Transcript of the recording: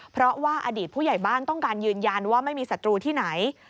เพราะว่าอดีตผู้ใหญ่บ้านต้องการยืนยันว่าไม่มีศัตรูที่ไหน